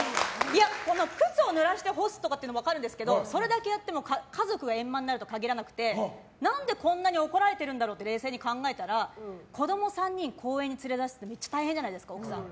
靴をぬらして干すとかっていうのは分かるんですけどそれだけやっても家族が円満になるとは限らなくて何でこんなに怒られてるんだろうって冷静に考えたら子供３人公園に連れ出すってめっちゃ大変じゃないですか奥さん。